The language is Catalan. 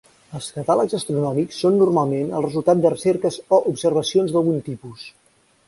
Els catàlegs astronòmics són normalment el resultat de recerques o observacions d'algun tipus.